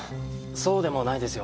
そうでもないですよ。